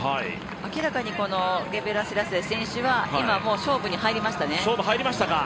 明らかにゲブレシラシエ選手は今、勝負に入りましたね。